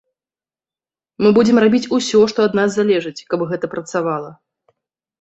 Мы будзем рабіць усё, што ад нас залежыць, каб гэта працавала.